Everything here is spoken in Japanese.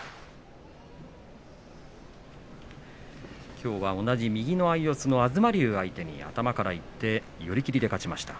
きょうは同じ右の相四つの東龍相手に頭からいって寄り切りで勝ちました。